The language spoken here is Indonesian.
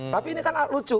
tapi ini kan lucu